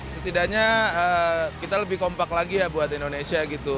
setidaknya kita lebih kompak lagi ya buat indonesia gitu